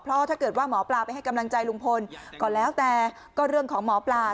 เพราะถ้าเกิดว่าหมอปลาไปให้กำลังใจลุงพลก็แล้วแต่ก็เรื่องของหมอปลา